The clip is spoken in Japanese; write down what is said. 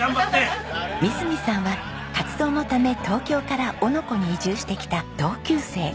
三角さんは活動のため東京から男ノ子に移住してきた同級生。